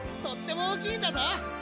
とっても大きいんだぜ！